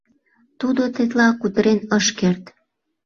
Тудо тетла кутырен ыш керт.